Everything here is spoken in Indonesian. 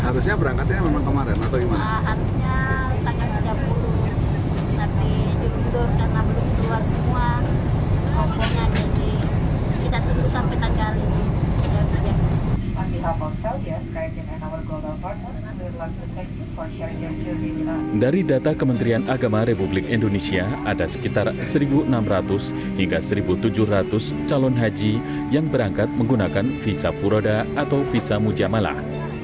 visa furoda atau visa mujamalah